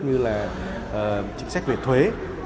như là chính sách về thuế